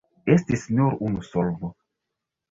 Estis nur unu solvo.